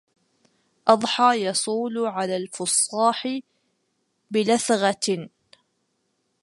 أضحى يصول على الفصاح بلثغة